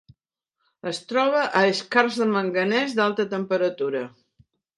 Es troba en skarns de manganès d'alta temperatura.